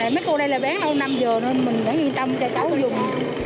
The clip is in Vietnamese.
mấy cô đây là bán lâu năm giờ nên mình vẫn yên tâm cho cháu dùng